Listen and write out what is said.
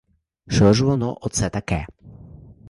Що ж воно оце таке?